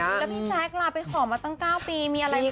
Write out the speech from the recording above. พี่แจ๊คลาไปขอมาตั้ง๙ปีมีอะไรขันต่าง